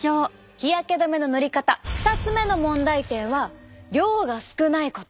日焼け止めの塗り方２つ目の問題点は量が少ないこと！